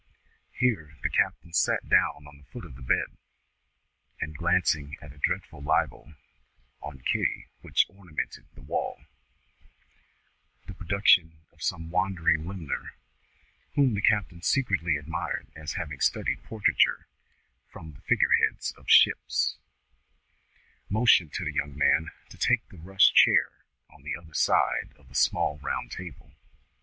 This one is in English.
Here the captain sat down on the foot of the bed, and glancing at a dreadful libel on Kitty which ornamented the wall, the production of some wandering limner, whom the captain secretly admired as having studied portraiture from the figure heads of ships, motioned to the young man to take the rush chair on the other side of the small round table.